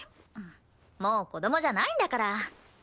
もう子供じゃないんだから。